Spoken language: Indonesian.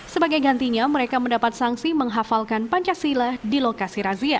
sebagai gantinya mereka mendapat sanksi menghafalkan pancasila di lokasi razia